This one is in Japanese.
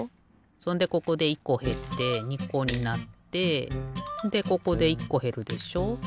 そんでここで１こへって２こになってでここで１こへるでしょ。